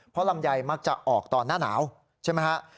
เพราะลำไยมักจะออกตอนหน้าหนาวใช่ไหมฮะ